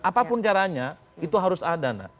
apapun caranya itu harus ada nak